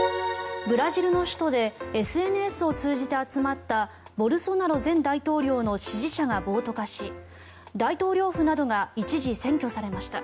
ブラジルの首都でＳＮＳを通じて集まったボルソナロ前大統領の支持者が暴徒化し大統領府などが一時、占拠されました。